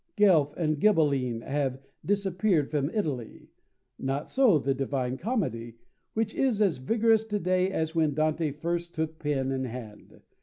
Guelf and Ghibelline have disappeared from Italy: not so the Divine Comedy, which is as vigorous to day as when Dante first took pen in hand.